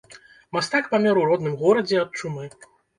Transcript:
Мастак памёр у родным горадзе ад чумы.